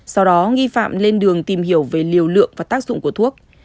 sau đó nghi phạm lên đường tìm hiểu về liều lượng và tác dụng của thuốc